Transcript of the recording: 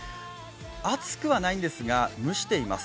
暑くはないんですが蒸しています。